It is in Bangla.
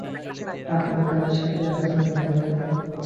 আপনি কার সাথে এসেছেন ভাই?